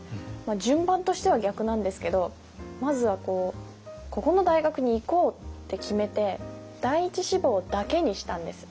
順番としては逆なんですけどまずはここの大学に行こうって決めて第１志望だけにしたんです。